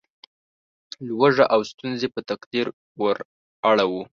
لوږه او ستونزې په تقدیر وراړوو.